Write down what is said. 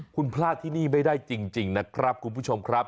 คุณพลาดที่นี่ไม่ได้จริงนะครับคุณผู้ชมครับ